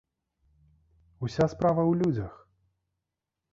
Уся справа ў людзях!